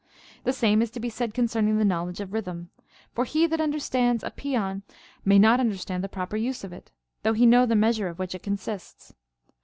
The same is to be said con cerning the knowledge of rhythm. For he that understands a paeon may not understand the proper use of it, though he know the measure of which it consists.